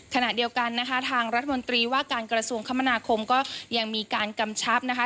ขณะเดียวกันนะคะทางรัฐมนตรีว่าการกระทรวงคมนาคมก็ยังมีการกำชับนะคะ